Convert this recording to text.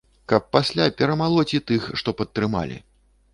Каб пасля перамалоць і тых, што падтрымалі.